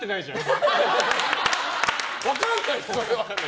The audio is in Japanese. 分かんないよ、それは。